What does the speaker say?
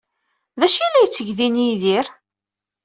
D acu ay la yetteg din Yidir?